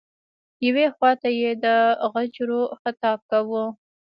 یوې خواته یې د غجرو خطاب کاوه.